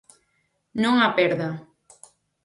Non a perda.